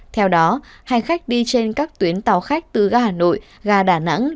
theo đó hành khách đi trên các tuyến tàu khách từ ga hà nội ga đà nẵng